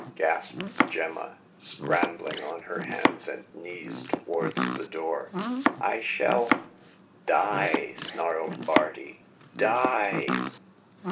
" gasped Gemma, scrambling on her hands and knees towards the door. I shall "Die !" snarled Bardi. " Die